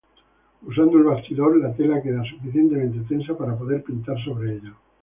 Usando el bastidor, la tela queda suficientemente tensa para poder pintar sobre ella.